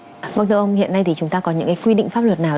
bác đạo ông hiện nay thì chúng ta có những cái quy định pháp luật nào